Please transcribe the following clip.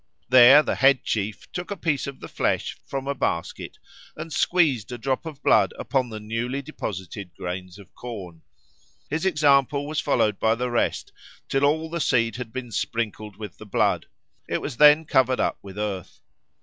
There the head chief took a piece of the flesh from a basket and squeezed a drop of blood upon the newly deposited grains of corn. His example was followed by the rest, till all the seed had been sprinkled with the blood; it was then covered up with earth.